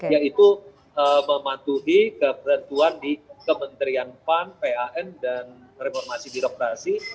yaitu mematuhi ketentuan di kementerian pan dan reformasi birokrasi